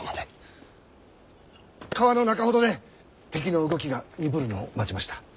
川の中ほどで敵の動きが鈍るのを待ちました。